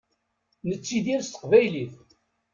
Nettidir s teqbaylit.